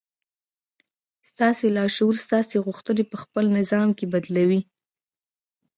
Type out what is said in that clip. ستاسې لاشعور ستاسې غوښتنې په خپل نظام کې بدلوي.